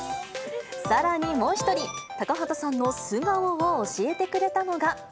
さらにもう一人、高畑さんの素顔を教えてくれたのが。